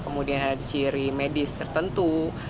kemudian ada ciri medis tertentu